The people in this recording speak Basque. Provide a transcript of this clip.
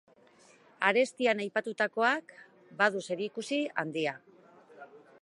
Arestian aipatutakoak badu zerikusi handia.